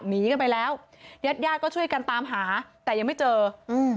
หนีกันไปแล้วญาติญาติก็ช่วยกันตามหาแต่ยังไม่เจออืม